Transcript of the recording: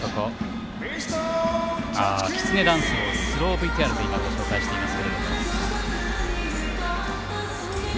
「きつねダンス」のスローＶＴＲをご紹介しています。